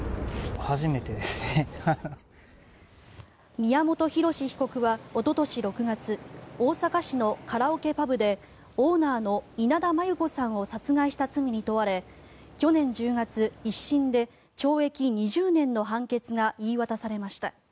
宮本浩志被告はおととし６月大阪市のカラオケパブでオーナーの稲田真優子さんを殺害した罪に問われ去年１０月１審で懲役２０年の判決が言い渡されました。